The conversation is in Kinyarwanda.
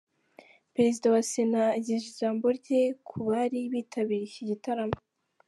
Perezida wa Sena ageza ijambo rye ku bari bitabiriye iki gitaramo.